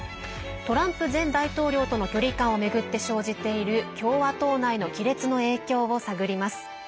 トランプ前大統領との距離感を巡って生じている共和党内の亀裂の影響を探ります。